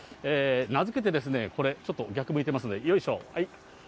名付けてこれ、ちょっと逆向いてますんで、よいしょ、はい。